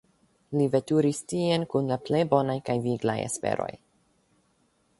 Li veturis tien kun la plej bonaj kaj viglaj esperoj.